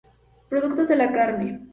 Productos de la carne.